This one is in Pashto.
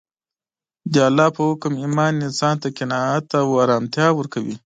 د الله په حکم ایمان انسان ته قناعت او ارامتیا ورکوي